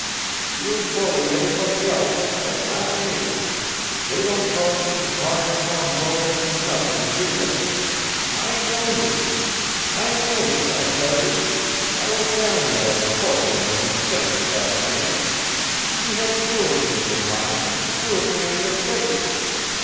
"You bully everybody else, but not me! They don't call you 'Hard Tom Wilton' for nothing, do they? I know you! I know you, I tell you! I was down there in the courtroom when you sentenced that man! You had cruelty in your mind, cruelty on your face.